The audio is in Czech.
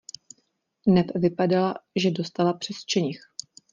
Neb vypadala, že dostala přes čenich.